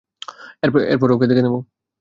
এরপর ওকে দেখে নিবো।